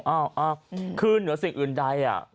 อ้าวคือเหนือสิ่งอื่นใด